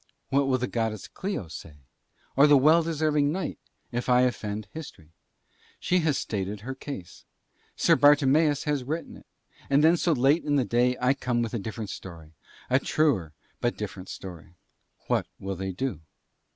What will the Goddess Clio say, or the well deserving knight, if I offend History? She has stated her case, Sir Bartimeus has written it, and then so late in the day I come with a different story, a truer but different story. What will they do?